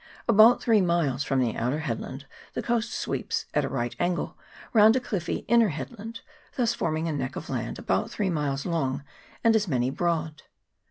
About three miles from the outer headland, the coast sweeps at a right angle round a cliffy inner head land, thus forming a neck of land about three miles long and as many broad.